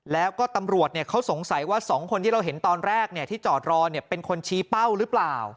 แล้วก็ตำรวจเขาสงสัยว่า๒คนที่เราเห็นตอนแรกที่จอดรอเป็นคนชี้เป้าหรือเปล่า